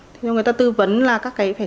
thế nên người ta tư vấn là các cái phải thử